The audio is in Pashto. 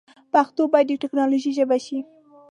پښتو باید د ټیکنالوجۍ ژبه شي.